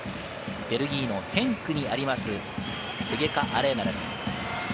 ベルギーのヘンクにあるセゲカ・アレーナです。